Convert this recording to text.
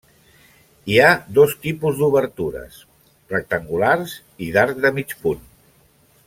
Hi ha dos tipus d'obertures: rectangulars i d'arc de mig punt.